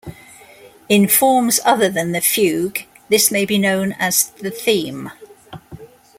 In forms other than the fugue this may be known as the theme.